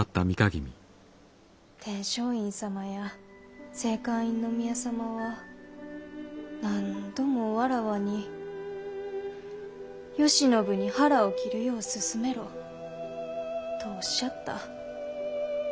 天璋院様や静寛院宮様は何度も妾に「慶喜に腹を切るよう勧めろ」とおっしゃった。